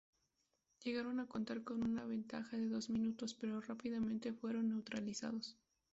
Llegaron a contar con una ventaja de dos minutos, pero rápidamente fueron neutralizados.